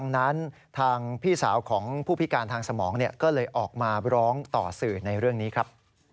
ในเรื่องนี้ครับ